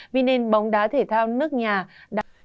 vì nên bóng đá thể thao nước nhà đã được giúp đỡ